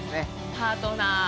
パートナー。